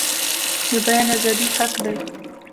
د بیان ازادي حق دی